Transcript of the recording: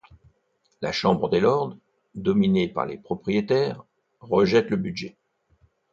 La Chambre des lords, dominée par les propriétaires, rejette le budget.